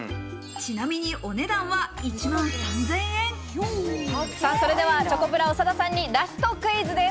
ちなみにお値段は１万チョコプラ・長田さんにラストクイズです。